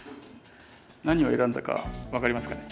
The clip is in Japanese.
何を選んだか分かりますかね？